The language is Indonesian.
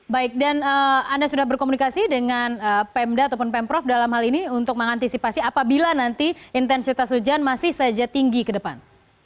baik dan anda sudah berkomunikasi dengan pemda ataupun pemprov dalam hal ini untuk mengantisipasi apabila nanti intensitas hujan masih saja tinggi ke depan